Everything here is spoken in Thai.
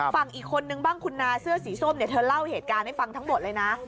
ฝั่งอีกคนนึงบ้างคุณนาเสื้อสีส้มเนี่ยเธอเล่าเหตุการณ์ให้ฟังทั้งหมดเลยนะ